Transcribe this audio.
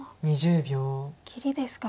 切りですか。